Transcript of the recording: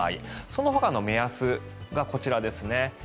そのほかの目安はこちらですね。